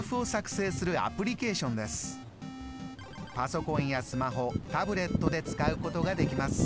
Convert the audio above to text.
パソコンやスマホタブレットで使うことができます。